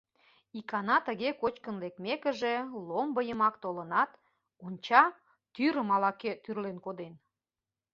Икана тыге кочкын лекмекыже, ломбо йымак толынат, онча — тӱрым ала-кӧ тӱрлен коден.